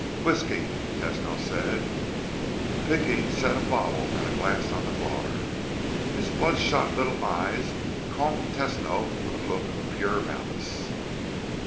"Whisky," Tesno said. Pinky set a bottle and a glass on the bar. His bloodshot little eyes combed Tesno with a look of pure malice.